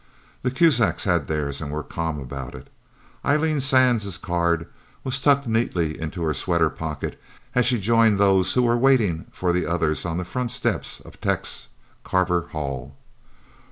The Kuzaks had theirs, and were calm about it. Eileen Sands' card was tucked neatly into her sweater pocket, as she joined those who were waiting for the others on the front steps of Tech's Carver Hall.